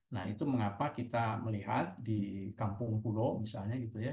nah itu mengapa kita melihat di kampung pulo misalnya gitu ya